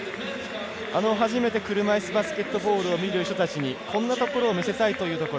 初めて車いすバスケットボールを見る人たちにこんなところを見せたいというところ。